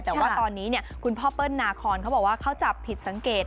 แต่ว่าตอนนี้คุณพ่อเปิ้ลนาคอนเขาบอกว่าเขาจับผิดสังเกต